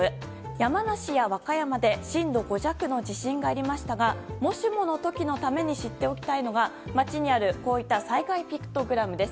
山梨や和歌山で震度５弱の地震がありましたがもしもの時のために知っておきたいのが街にある、こういった災害ピクトグラムです。